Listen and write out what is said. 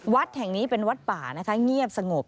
วัดแห่งนี้เป็นวัดป่านะคะเงียบสงบ